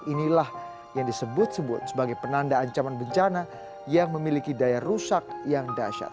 inilah yang disebut sebut sebagai penanda ancaman bencana yang memiliki daya rusak yang dasar